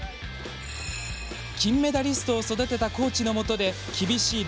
金メダリストを育てたコーチのもとで厳しい練習を重ね